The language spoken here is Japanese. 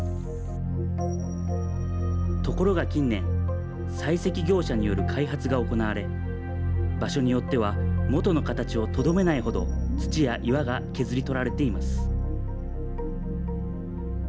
ところが近年、採石業者による開発が行われ、場所によっては元の形をとどめないほど、土や岩が削り取られています。